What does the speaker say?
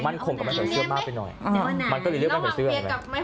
มันคงกับมัสเขียนเสื้อมากไปหน่อยมันก็เลยเลือกมัสเขียนเสื้อ